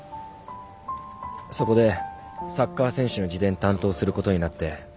そこでサッカー選手の自伝担当することになって。